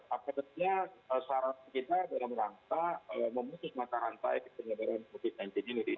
akhirnya saran kita dalam rangka memutus mata rantai ke penyebaran covid sembilan belas ini